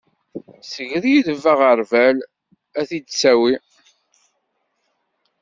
Ssegrireb aɣerbal ad t-id-ittawi.